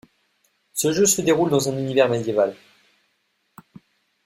Ce jeu se déroule dans un univers médiéval.